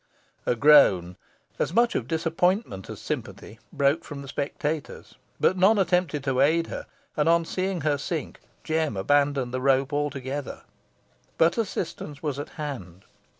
A groan, as much of disappointment as sympathy, broke from the spectators, but none attempted to aid her; and on seeing her sink, Jem abandoned the rope altogether. But assistance was at hand.